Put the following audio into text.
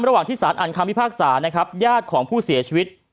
ระหว่างที่สารอ่านคำพิพากษานะครับญาติของผู้เสียชีวิต